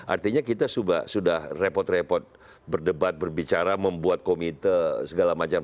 artinya kita sudah repot repot berdebat berbicara membuat komite segala macam